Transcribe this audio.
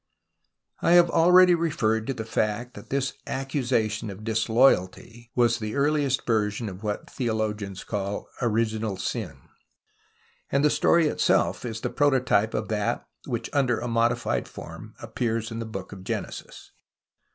I have already referred to the fact tliat this accusation of disloyalty was the earliest version of what theologians call "• original sin," and the story itself tlie prototype of that which under a modified form appears in the Book of Genesis.